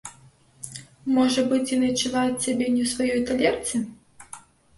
Можа быць, яны адчуваюць сябе не ў сваёй талерцы?